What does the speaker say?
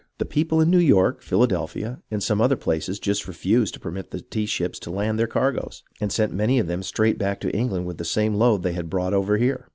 The people in New York, Philadel phia, and some other places just refused to permit the tea ships to land their cargoes, and sent many of them straight back to England with the same load they had brought over here.